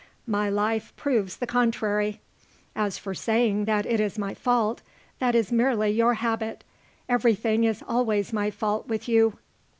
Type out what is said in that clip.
My life proves the contrary. As for saying that it is my fault, that is merely your habit. Everything is always my fault with you."